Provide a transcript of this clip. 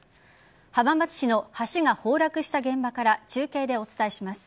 浜松市の橋が崩落した現場から中継でお伝えします。